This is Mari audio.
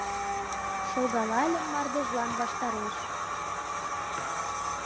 Шогалальым мардежлан ваштареш.